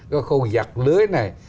có câu giặt lưới này